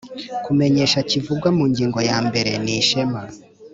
kumenyesha kivugwa mu ngingo ya mbere nishema